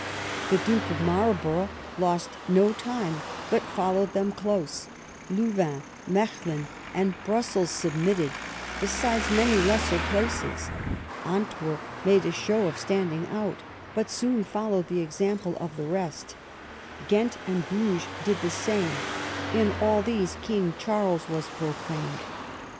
The duke of Marlbor ough lost no time, but followed them close; Louvain, Mechlin, and Brussels submitted, besides many lesser places; Antwerp made a show of standing out, but soon followed the example of the rest; Ghent and Bruges did the same; in all these King Charles was proclaimed.